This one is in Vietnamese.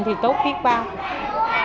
thì tốt khi có một nghề